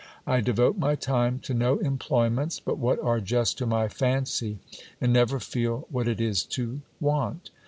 I devote my time to no ;mployments but what are just to my fancy, and never feel what it' is to want.